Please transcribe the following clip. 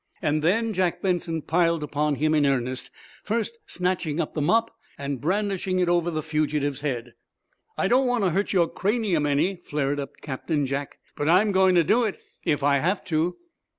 And then Jack Benson piled upon him in earnest, first snatching up the mop and brandishing it over the fugitive's head. "I don't want to hurt your cranium any," flared up Captain Jack. "But I'm going to do it if I have to."